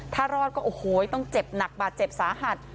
ถ้ารอดก็โอ้โหต้องเจ็บหนักบาดเจ็บสาหัส